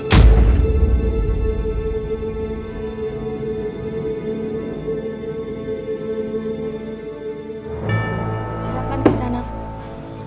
silahkan ke sana